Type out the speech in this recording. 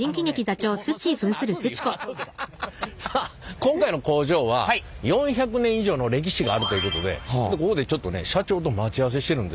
さあ今回の工場は４００年以上の歴史があるということでここでちょっとね社長と待ち合わせしてるんですよ。